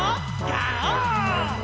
ガオー！